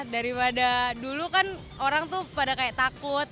daripada dulu kan orang tuh pada kayak takut